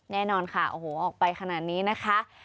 แน่นอนค่ะโอ้โหออกไปขนาดนี้นะคะ